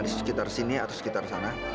di sekitar sini atau sekitar sana